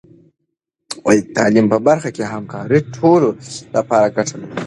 د تعلیم په برخه کې همکاري د ټولو لپاره ګټه لري.